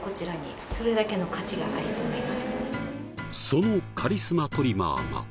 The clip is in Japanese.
そのカリスマトリマーが。